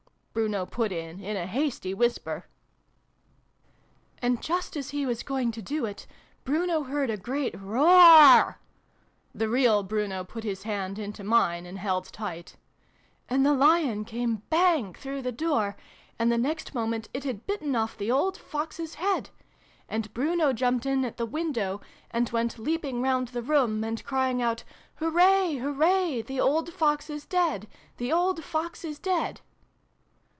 Bruno put in, in a hasty whisper.) 236 SYLVIE AND BRUNO CONCLUDED. xv] THE LITTLE FOXES. 237 "And just as he was going to do it, Bruno heard a great ROAR (The real Bruno put his hand into mine, and held tight), "and the Lion came bang through the door, and the next moment it had bitten off the old Fox's head ! And Bruno jumped in at the window, and went leaping round the room, and crying out ' Hooray ! Hooray ! The old Fox is dead ! The old Fox is dead